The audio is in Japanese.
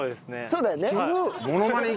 そうだよね。